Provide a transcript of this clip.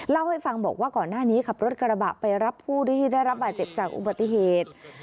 เล่าให้ฟังบอกว่าก่อนหน้านี้ขับรถกระบะไปรับผู้ที่ได้รับบาดเจ็บจากอุบัติเหตุ